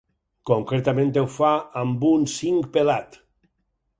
Concretament ho fa amb un cinc pelat.